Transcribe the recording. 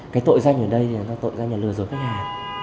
cái tội danh ở đây thì các tội danh là lừa dối khách hàng